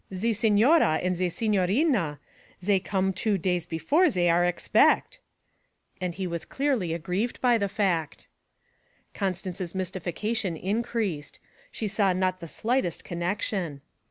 'Ze signora and ze signorina zay come two days before zay are expect.' And he was clearly aggrieved by the fact. Constance's mystification increased; she saw not the slightest connexion.